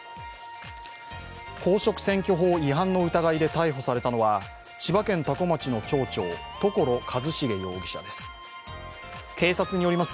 公職選挙法違反の疑いで逮捕されたのは千葉県多古町の町長、所一重容疑者です。